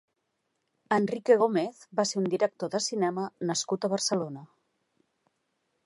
Enrique Gómez va ser un director de cinema nascut a Barcelona.